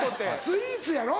スイーツやろ？